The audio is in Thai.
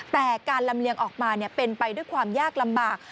แต่การลำเลียงออกมาเป็นไปด้วยความยากลำบาก